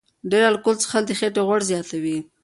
ډېر الکول څښل د خېټې غوړ زیاتوي.